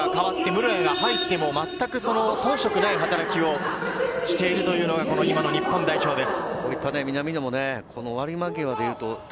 何か選手が代わって室屋が入ってもまったく遜色ない働きをしているというのが、今の日本代表です。